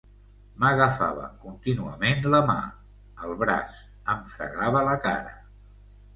M'agafava contínuament la mà, el braç, em fregava la cara.